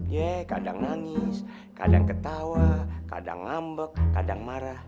ya kadang nangis kadang ketawa kadang ngambek kadang marah